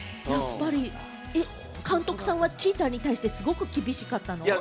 監督さんはチーターに対してすごく厳しかったの？